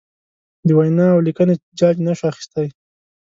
د وینا اولیکنې جاج نشو اخستی.